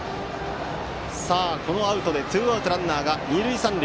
さあ、このアウトでツーアウトランナー、二塁三塁。